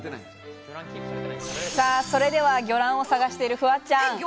それでは魚卵を探しているフワちゃん。